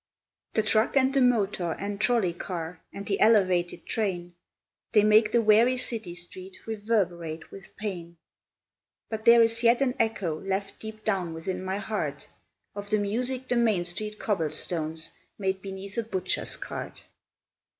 The truck and the motor and trolley car and the elevated train They make the weary city street reverberate with pain: But there is yet an echo left deep down within my heart Of the music the Main Street cobblestones made beneath a butcher's cart.